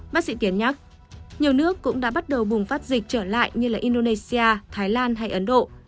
bác sĩ kiên nhắc nhiều nước cũng đã bắt đầu bùng phát dịch trở lại như indonesia thái lan hay ấn độ